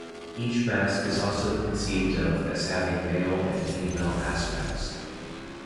Each mask is also conceived of as having male and female aspects.